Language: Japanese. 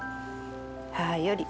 母より。